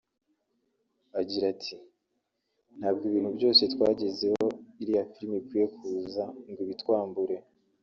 Agira ati “Ntabwo ibintu byose twagezeho iriya filimi ikwiye kuza ngo ibitwambure